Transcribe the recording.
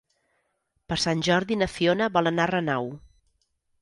Per Sant Jordi na Fiona vol anar a Renau.